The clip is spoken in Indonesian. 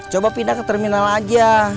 coba pindah ke terminal aja